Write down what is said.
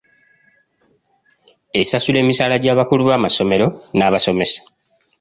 Esasula emisaala gy'abakulu b'amasomero n'abasomesa.